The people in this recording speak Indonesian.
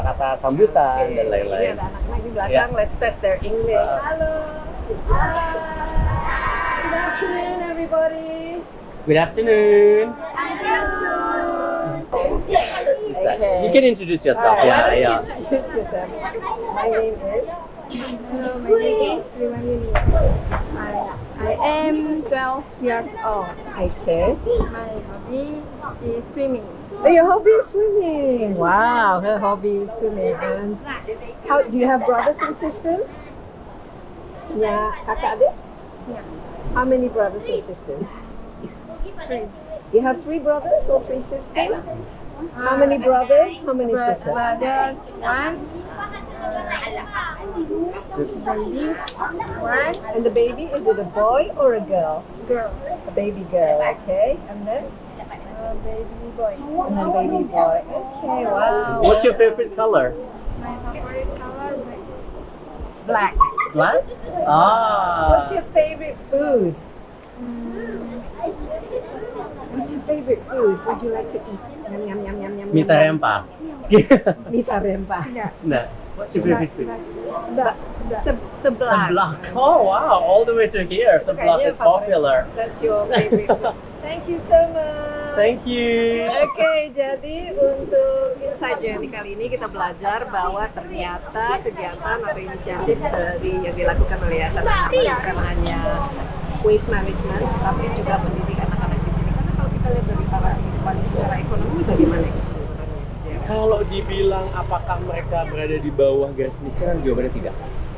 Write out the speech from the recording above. kalau dibilang apakah mereka berada di bawah garis miscaran jawabannya tidak